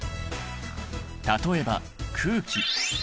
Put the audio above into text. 例えば空気。